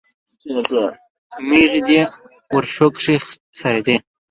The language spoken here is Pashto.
مېښې دې ورشو کښې څرېدې